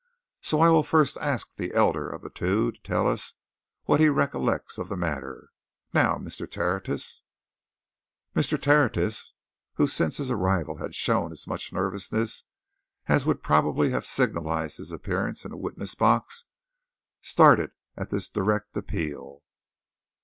So I will first ask the elder of the two to tell us what he recollects of the matter. Now, Mr. Tertius?" Mr. Tertius, who since his arrival had shown as much nervousness as would probably have signalised his appearance in a witness box, started at this direct appeal.